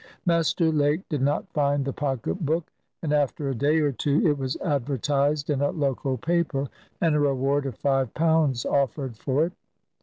Master Lake did not find the pocket book, and after a day or two it was advertised in a local paper, and a reward of five pounds offered for it.